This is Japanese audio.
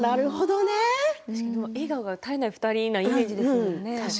確かに笑顔が絶えない２人のイメージですけどもね。